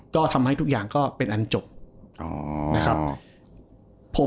ก็ทำให้ทุกอย่างก็เป็นอันจบนะครับ